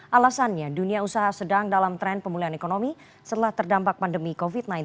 alasannya dunia usaha sedang dalam tren pemulihan ekonomi setelah terdampak pandemi covid sembilan belas